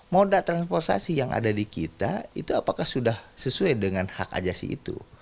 moda transportasi yang ada di kita itu apakah sudah sesuai dengan hak ajasi itu